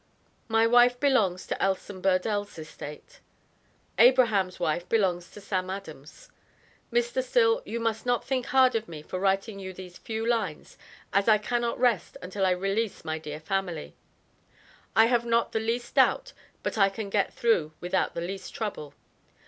My wife belongs to Elson Burdel's estate. Abraham's wife belongs to Sam Adams. Mr. Still you must not think hard of me for writing you these few lines as I cannot rest until I release my dear family. I have not the least doubt but I can get through without the least trouble.